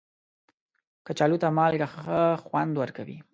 کچالو ته مالګه ښه خوند ورکوي